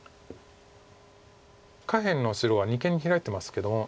下辺の白は二間にヒラいてますけども。